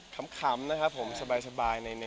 ทำตามเขาครับเขาทำไปเยอะ